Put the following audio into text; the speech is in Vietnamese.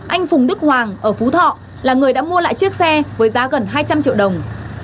anh phùng đức hoàng ở phú thọ là người đã mua lại chiếc xe với giá gần hai trăm linh triệu đồng